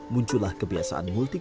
muncullah kebiasaan mulia